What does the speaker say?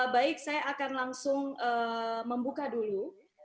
baik saya akan langsung membuka dulu